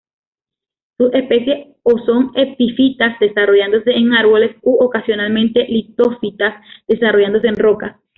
Sus especies o son epifitas, desarrollándose en árboles, u ocasionalmente litófitas, desarrollándose en rocas.